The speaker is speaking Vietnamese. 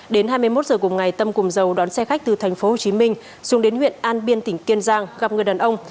đến hai mươi một h cùng ngày tâm cùng dầu đón xe khách từ tp hcm xuống đến huyện an biên tỉnh kiên giang gặp người đàn ông